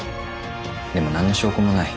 でも何の証拠もない。